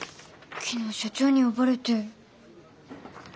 昨日社長に呼ばれて。